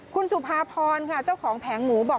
คุณสุภาพรค่ะเจ้าของแผงหมูบอก